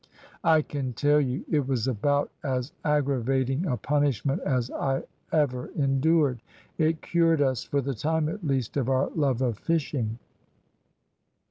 "I can tell you, it was about as aggravating a punishment as I ever endured. It cured us, for the time at least, of our love of fishing."